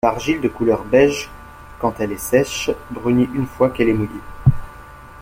L’argile de couleur beige quand elle est sèche brunit une fois qu’elle est mouillée.